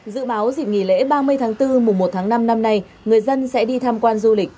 dự báo dịp nghỉ lễ ba mươi tháng bốn mùa một tháng năm năm nay người dân sẽ đi tham quan du lịch